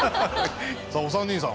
さあお三人さん